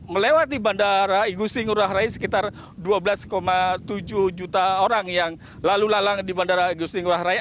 melewati bandara igusti ngurah rai sekitar dua belas tujuh juta orang yang lalu lalang di bandara igusti ngurah rai